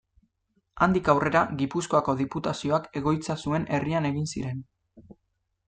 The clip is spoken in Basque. Handik aurrera Gipuzkoako Diputazioak egoitza zuen herrian egin ziren.